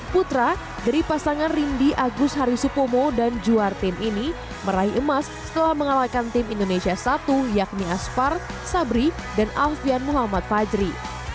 putra dari pasangan rindy agus harisupomo dan juar tim ini meraih emas setelah mengalahkan tim indonesia satu yakni aspar sabri dan alfian muhammad fajri